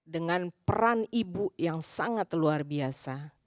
dengan peran ibu yang sangat luar biasa